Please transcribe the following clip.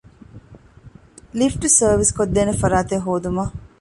ލިފްޓް ސާރވިސްކޮށްދޭނެ ފަރާތެއް ހޯދުމަށް